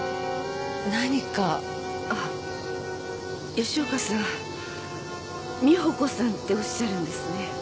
吉岡さん「美保子さん」っておっしゃるんですね？